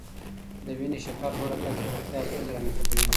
د وینې شکر لوړه کچه د روغتیا ستونزې رامنځته کوي.